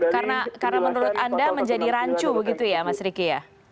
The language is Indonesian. karena menurut anda menjadi rancu begitu ya mas riki